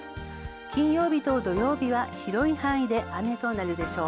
金曜日と土曜日は広い範囲で雨となるでしょう。